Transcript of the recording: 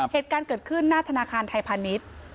เหตุการณ์เกิดขึ้นหน้าธนาคารไทยพาณิชย์